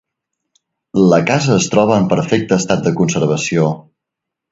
La casa es troba en perfecte estat de conservació.